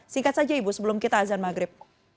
singkat saja ibu sebelum kita azan maghrib